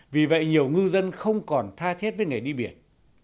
vì vậy nhiều ngư dân không còn tha thiết với nghề đi biển